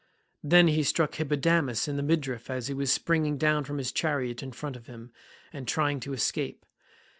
Then he struck Hippodamas in the midriff as he was springing down from his chariot in front of him, and trying to escape.